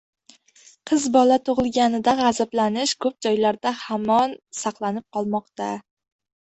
Qiz bola tug‘ilganida g‘azablanish ko‘p joylarda hamon saqlanib qolmoqda.